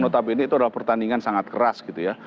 tapi ini adalah pertandingan sangat keras gitu ya